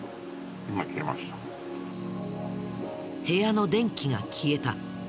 部屋の電気が消えた。